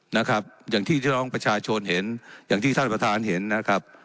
นะครับอย่างที่พี่น้องประชาชนเห็นอย่างที่ท่านประธานเห็นนะครับ